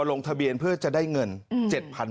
ลงทะเบียนเพื่อจะได้เงิน